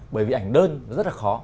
bởi vì ảnh đơn rất là khó